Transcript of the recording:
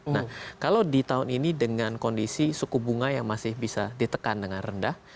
nah kalau di tahun ini dengan kondisi suku bunga yang masih bisa ditekan dengan rendah